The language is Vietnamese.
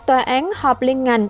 tòa án họp liên ngành